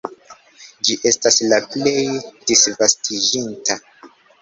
Ĝi estas la plej disvastiĝinta.